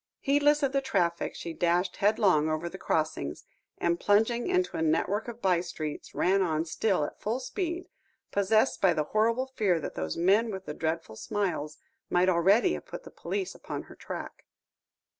Heedless of the traffic, she dashed headlong over the crossings, and plunging into a network of by streets, ran on still at full speed, possessed by the horrible fear that those men with the dreadful smiles, might already have put the police upon her track.